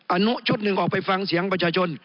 อนุชุดหนึ่งออกไปฟังเสียงประชาชน